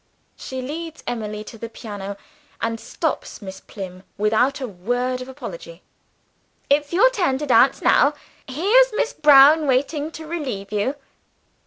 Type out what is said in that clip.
She leads Emily to the piano, and stops Miss Plym without a word of apology: "It's your turn to dance now. Here's Miss Brown waiting to relieve you."